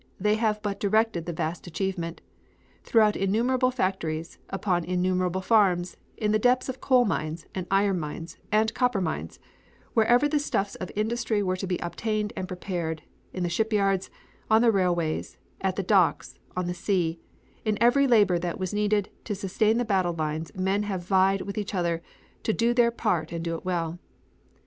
They have but directed the vast achievement. Throughout innumerable factories, upon innumerable farms, in the depths of coal mines and iron mines and copper mines, wherever the stuffs of industry were to be obtained and prepared, in the shipyards, on the railways, at the docks, on the sea, in every labor that was needed to sustain the battle lines men have vied with each other to do their part and do it well.